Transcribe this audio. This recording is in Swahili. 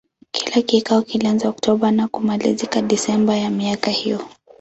Kila kikao kilianza Oktoba na kumalizika Desemba ya miaka hiyo.